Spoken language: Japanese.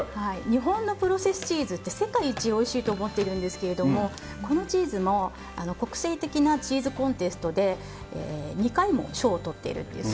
日本のプロセスチーズって世界一おいしいと思っているんですけれどもこのチーズも国際的なチーズコンテストで２回も賞をとっているという。